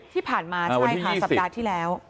ที่ผ่านมาใช่ค่ะสัปดาห์ที่แล้ว